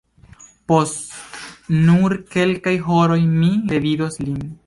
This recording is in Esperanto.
Post nur kelkaj horoj mi revidos lin!